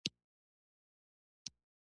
ماشومان قلم نیول زده کوي.